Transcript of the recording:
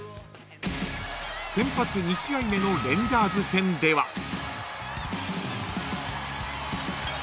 ［先発２試合目のレンジャーズ戦では］